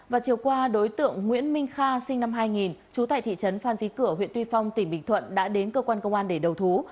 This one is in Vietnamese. và chiều qua đối tượng nguyễn minh kha sinh năm hai nghìn trú tại thị trấn phan xí cửa huyện tuy phong tỉnh bình thuận đã đến cơ quan công an để đầu thú